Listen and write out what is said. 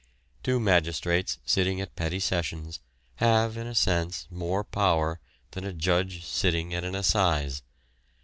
Two magistrates sitting at Petty Sessions have in a sense more power than a judge sitting at an Assize.